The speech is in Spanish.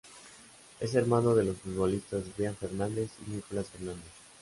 Es hermano de los futbolistas Brian Fernández y Nicolás Fernández.